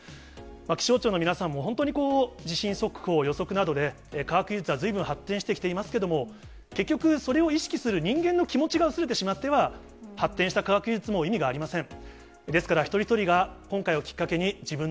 気象庁の皆さんも、本当に地震速報、予測などで科学技術はずいぶん発展してきていますけれども、結局、それを意識する人間の気持ちが薄れてしまっては、発展した科学技術も意味がありません。